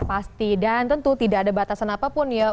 pasti dan tentu tidak ada batasan apapun ya